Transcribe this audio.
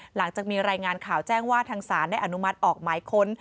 หลังจากมีรายงานข่าวแจ้งว่าทางศาลได้อนุมัติออกหมายค้น